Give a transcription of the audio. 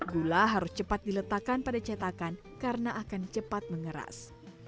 gula harus cepat diletakkan pada cetakan karena akan cepat mengeras